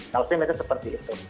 kalau sih mereka seperti itu